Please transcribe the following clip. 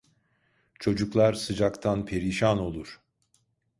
Çocuklar sıcaktan perişan olur.